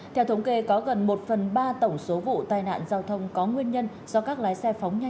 theo thống kê có gần một phần ba tổng số vụ tai nạn giao thông có nguyên nhân do các lái xe phóng nhanh